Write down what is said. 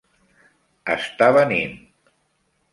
Està venint.